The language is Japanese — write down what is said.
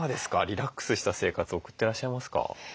リラックスした生活送ってらっしゃいますか？